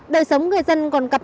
đời sống người dân còn gặp